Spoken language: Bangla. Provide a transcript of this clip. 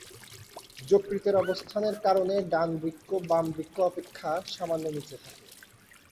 যকৃতের অবস্থানের কারণে ডান বৃক্ক বাম বৃক্ক অপেক্ষা সামান্য নিচে থাকে।